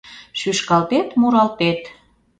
Шӱшкалтет, муралтет